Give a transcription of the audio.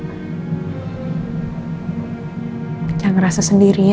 jangan ngerasa sendiri ya